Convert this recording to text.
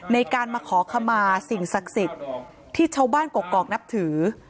ในการมาขอขมาสิ่งศักดิ์สิทธิ์ที่ชาวบ้านกรกนับถือ